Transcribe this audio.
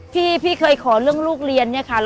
พี่เคยขอเรื่องลูกเรียนเนี่ยค่ะ